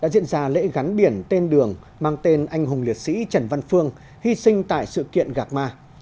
cán biển tên đường mang tên anh hùng liệt sĩ trần văn phương hy sinh tại sự kiện gạc ma